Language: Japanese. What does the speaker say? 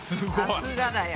さすがだよ。